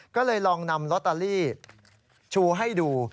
ก็เลยลองนำลอตเตอรี่ชูให้ดู